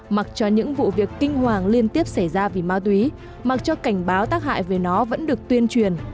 mặc cho những vụ việc kinh hoàng liên tiếp xảy ra vì ma túy mặc cho cảnh báo tác hại về nó vẫn được tuyên truyền